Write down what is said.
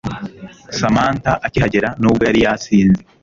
Samantha akihagera nubwo yari yasinze